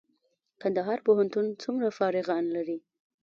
کندهار پوهنتون څومره فارغان لري؟